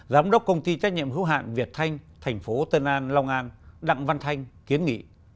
giám đốc công ty trách nhiệm hữu hạn việt thanh đặng văn thanh kiến nghị